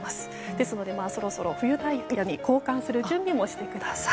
ですのでそろそろ冬タイヤに交換する準備をしてください。